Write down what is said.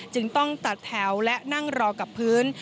จึงต้องตัดแถวและนั่งรอกับพื้น